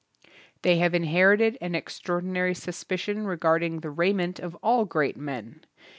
They have in THE BOOKMAN herited an extraordinary suspicion re garding the raiment of all great men.